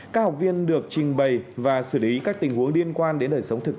bao gồm ghép tim ghép gan và ghép thần